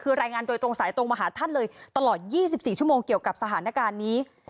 คือรายงานโดยตรงสายตรงมาหาท่านเลยตลอด๒๔ชั่วโมงเกี่ยวกับสถานการณ์นี้